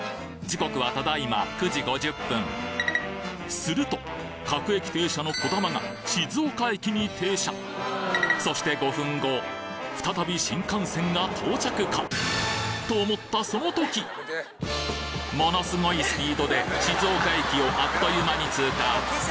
時刻はただいま９時５０分すると各駅停車のこだまが静岡駅に停車そして５分後再び新幹線が到着かと思ったものすごいスピードで静岡駅をあっという間に通過！